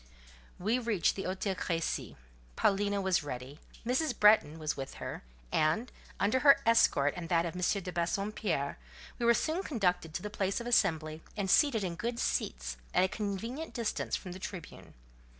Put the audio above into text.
We reached the Hôtel Crécy; Paulina was ready; Mrs. Bretton was with her; and, under her escort and that of M. de Bassompierre, we were soon conducted to the place of assembly, and seated in good seats, at a convenient distance from the Tribune.